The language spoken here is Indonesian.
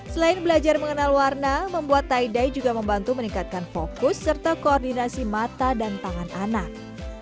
selain belajar mengenal warna membuat taidai juga membantu meningkatkan fokus serta koordinasi mata dan tangan anak